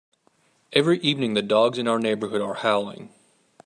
Every evening, the dogs in our neighbourhood are howling.